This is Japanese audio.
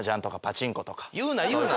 言うな言うな！